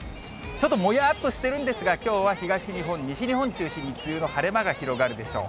ちょっともやっとしてるんですが、きょうは東日本、西日本中心に、梅雨の晴れ間が広がるでしょう。